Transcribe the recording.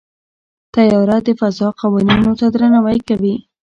طیاره د فضا قوانینو ته درناوی کوي.